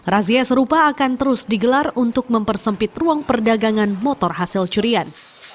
razia serupa akan terus digelar untuk mempersempit ruang perdagangan motor hasil curian